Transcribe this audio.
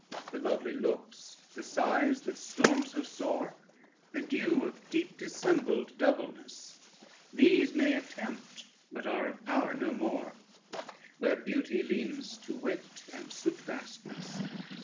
The lovely looks, the sighs that storm so sore, The dew of deep dissembled doubleness, These may attempt, but are of power no more Where beauty leans to wit and soothfastness.